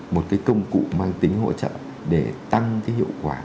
một cái công cụ mang tính hỗ trợ để tăng cái hiệu quả